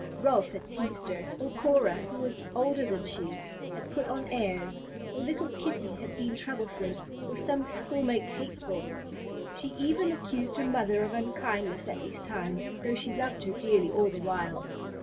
Ralph had teased her; or Cora, who was older than she, had put on airs; or little Kitty had been troublesome, or some schoolmate "hateful." She even accused her mother of unkindness at these times, though she loved her dearly all the while.